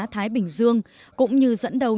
thái bình dương cũng như dẫn đầu